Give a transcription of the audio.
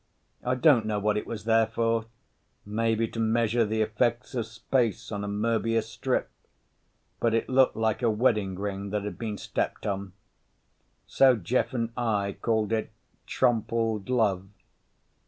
I don't know what it was there for—maybe to measure the effects of space on a Moebius strip—but it looked like a wedding ring that had been stepped on. So Jeff and I called it Trompled Love.